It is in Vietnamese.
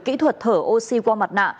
kỹ thuật thở oxy qua mặt nạ